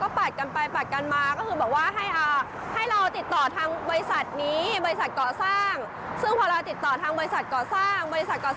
บริษัทเกาะสร้างก็บอกว่าให้ติดต่อทางบริษัทใหญ่อีกทีหนึ่ง